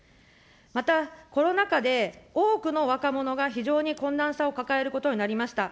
またコロナ禍で、多くの若者が非常に困難さを抱えることになりました。